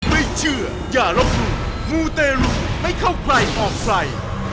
ไม่เชื่อย่าลบหนูมูเตรุไม่เข้ากลายออกใส่